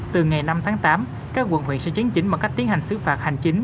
từ ngày năm tháng tám các quận huyện sẽ chiến chính bằng cách tiến hành xứ phạt hành chính